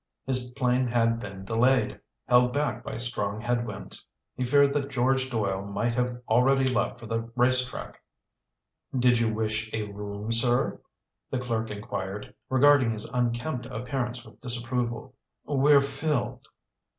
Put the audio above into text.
His plane had been delayed, held back by strong headwinds. He feared that George Doyle might have already left for the race track. "Did you wish a room, sir?" the clerk inquired, regarding his unkempt appearance with disapproval. "We're filled."